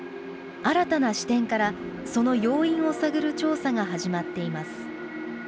新たな視点から、その要因を探る調査が始まっています。